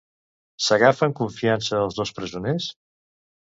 S'agafen confiança els dos presoners?